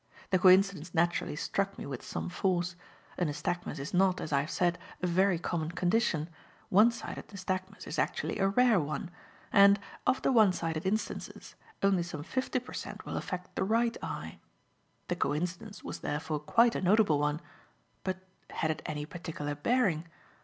The coincidence naturally struck me with some force. A nystagmus is not, as I have said, a very common condition; one sided nystagmus is actually a rare one; and, of the one sided instances, only some fifty per cent will affect the right eye. The coincidence was therefore quite a notable one; but had it any particular bearing?